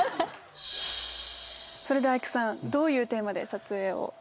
それでは育さんどういうテーマで撮影を？